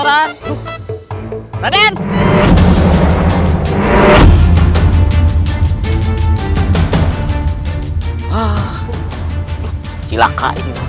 dia hanya berbalipposis ini